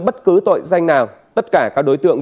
bất cứ tội danh nào tất cả các đối tượng